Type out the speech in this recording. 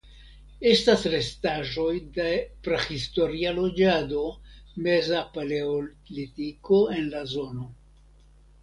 Estas restaĵoj de prahistoria loĝado (Meza Paleolitiko) en la zono.